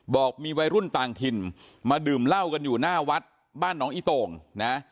บอกมีวัยรุ่นต่างถิ่นมาดื่มเหล้ากันอยู่หน้าวัดบ้านน้องอีโต่งนะ